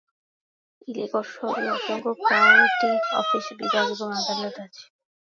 Ellicott শহরে অসংখ্য county office, বিভাগ এবং আদালত রয়েছে।